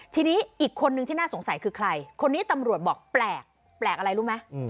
ทีนี้อีกคนนึงที่น่าสงสัยคือใครคนนี้ตำรวจบอกแปลกแปลกอะไรรู้ไหม